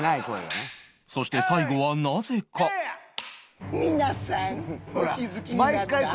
そして最後はなぜか